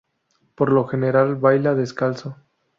Por lo general baila descalzo.